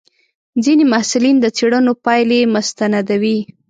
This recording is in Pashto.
ځینې محصلین د څېړنو پایلې مستندوي.